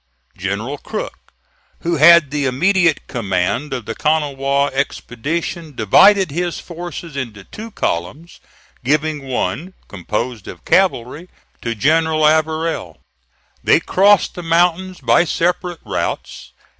General Crook, who had the immediate command of the Kanawha expedition, divided his forces into two columns, giving one, composed of cavalry, to General Averell. They crossed the mountains by separate routes.